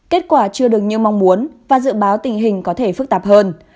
kết quả chưa được như mong muốn và dự báo tình hình có thể phức tạp hơn